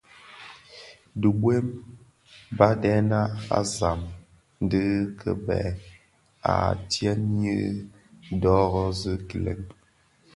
Dhibuem, badèna a zam dhi kèba a tyèn nyi dhorozi gilèn.